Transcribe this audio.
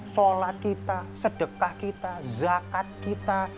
sholat kita sedekah kita zakat kita